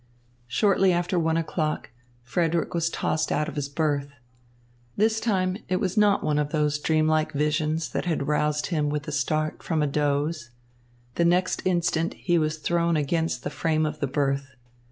Shortly after one o'clock, Frederick was tossed out of his berth. This time it was not one of those dream like visions that had roused him with a start from a doze. The next instant he was thrown against the frame of the berth.